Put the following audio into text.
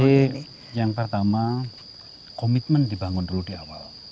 jadi yang pertama komitmen dibangun dulu di awal